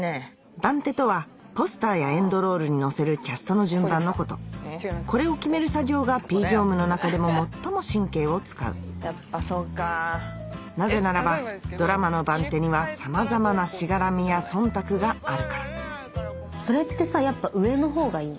「番手」とはポスターやエンドロールに載せるキャストの順番のことこれを決める作業がＰ業務の中でも最も神経を使うなぜならばドラマの番手にはさまざまなしがらみや忖度があるからそれってさやっぱ上のほうがいいの？